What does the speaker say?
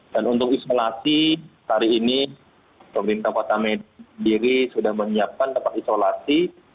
dan untuk isolasi hari ini pemerintah kota medan sendiri sudah menyiapkan tempat isolasi